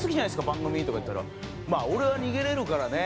番組」とか言ったら「まあ俺は逃げれるからね。